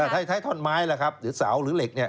ใช้ทอนไม้ไหมครับเออใช้ทอนไม้หรือเหล็ก